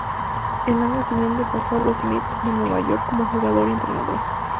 El año siguiente pasó a los Mets de New York como jugador y entrenador.